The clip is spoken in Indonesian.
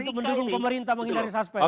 untuk mendukung pemerintah menghindari suspek